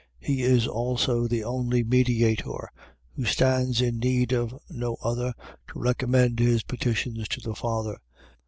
.. He is also the only mediator, who stands in need of no other to recommend his petitions to the Father.